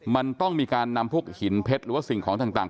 มันต้องมีการนำผุกหินเผชรศิลป์หรือสิ่งสังต่าง